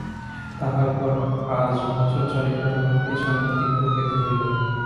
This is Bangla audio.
তাহার পর, আজ বছর চারেক হইল আমাকে সাংঘাতিক রোগে ধরিল।